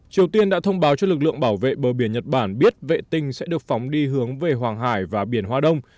triều tiên đã thông báo cho lực lượng bảo vệ bờ biển nhật bản biết vệ tinh sẽ được phóng đi hướng về hoàng hải và biển hoa đông